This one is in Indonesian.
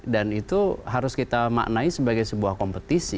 dan itu harus kita maknai sebagai sebuah kompetisi